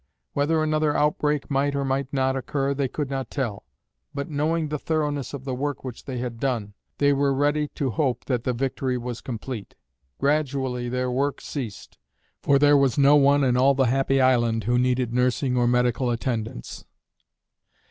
Whether another outbreak might or might not occur they could not tell; but knowing the thoroughness of the work which they had done, they were ready to hope that the victory was complete. Gradually their work ceased, for there was no one in all the happy island who needed nursing or medical attendance.